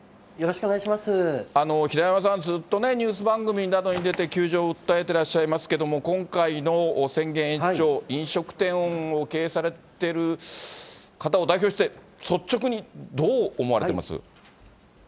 平山さん、ずっとね、ニュース番組などに出て、窮状を訴えてらっしゃいますけれども、今回の宣言延長、飲食店を経営されてる方を代表して、率直にどう思われてます？